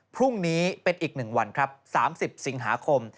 พรุ่งนี้เป็นอีก๑วันครับ๓๐สิงหาคม